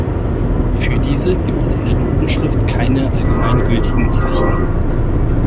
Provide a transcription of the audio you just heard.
Für diese gibt es in der Notenschrift keine allgemein gültigen Zeichen.